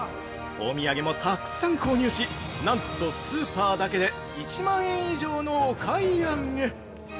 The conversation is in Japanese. お土産もたくさん購入し、なんとスーパーだけで１万円以上のお買い上げ！